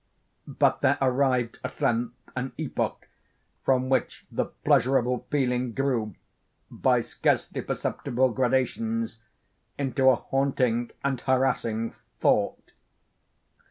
But there arrived at length an epoch, from which the pleasurable feeling grew, by scarcely perceptible gradations, into a haunting and harassing thought.